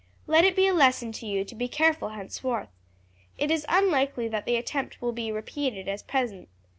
Let it be a lesson to you to be careful henceforth. It is unlikely that the attempt will be repeated at present.